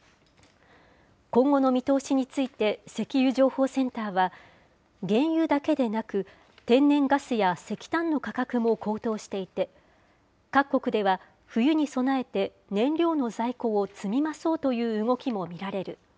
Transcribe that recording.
今後の見通しについて、石油情報センターは、原油だけでなく、天然ガスや石炭の価格も高騰していて、各国では冬に備えて燃料の在庫を積み増そうという動きも見られる。